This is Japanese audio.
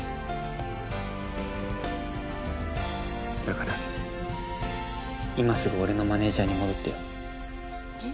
だから今すぐ俺のマネージャーに戻ってよ。えっ？